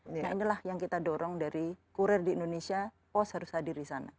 nah inilah yang kita dorong dari kurir di indonesia pos harus hadir di sana